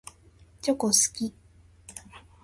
チョコ好き。